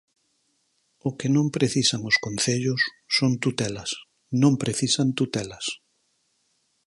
O que non precisan os concellos son tutelas; non precisan tutelas.